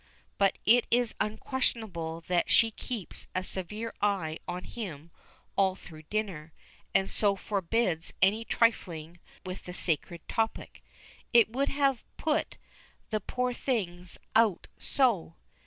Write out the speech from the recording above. But it is unquestionable that she keeps a severe eye on him all through dinner, and so forbids any trifling with the sacred topic. "It would have put the poor things out so!"